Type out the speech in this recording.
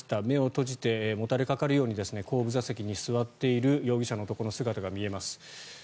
目を閉じてもたれかかるように後部座席に座っている容疑者の男の姿が見えます。